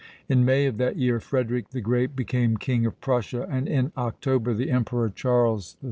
In May of that year Frederick the Great became king of Prussia, and in October the emperor Charles VI.